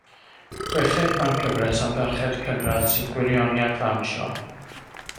Y chweched mewn cyfres am ferched cynradd sy'n gwirioni ar ddawnsio.